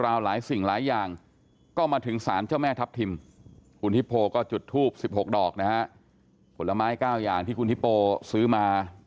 คนสุดท้ายที่จะเหลืออยู่ก็คือมีแม่นี้แหละ